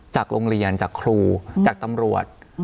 จากโรงเรียนจากครูจากตำรวจ